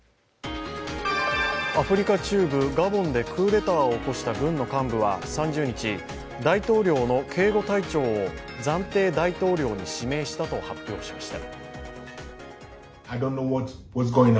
アフリカ中部ガボンでクーデターを起こした軍の幹部は３０日、大統領の警護隊長を暫定大統領に指名したと発表しました。